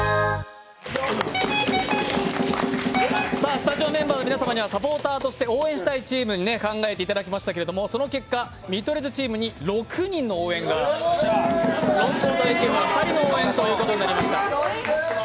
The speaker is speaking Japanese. スタジオメンバーの皆様にはサポーターとして応援したいチームを考えていただきましたけども、その結果、見取り図チームに６人の応援が、ロングコートシティは２人の応援ということになりました。